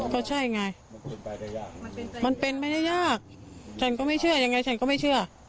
ก็ใช่ไงมันเป็นไปได้ยากฉันก็ไม่เชื่ออย่างงี้ฉันก็ไม่เชื่อ